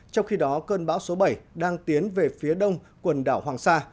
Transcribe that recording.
trong khi đó cơn bão số bảy đang tiến về phía đông quần đảo hoàng sa